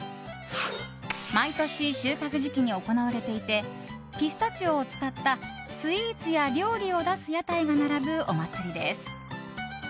毎年、収穫時期に行われていてピスタチオを使ったスイーツや料理を出す屋台が並ぶお祭りです。